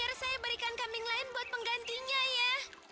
biar saya berikan kambing lain buat penggantinya ya